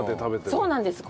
そうなんです！